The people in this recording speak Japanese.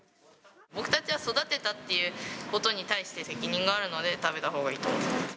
僕たちは育てたっていうことに対して責任があるので、食べたほうがいいと思います。